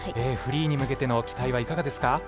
フリーに向けての期待はいかがですか？